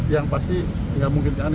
yang pasti tidak mungkin ke anis